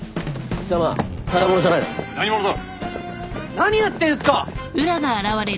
・何やってんすか！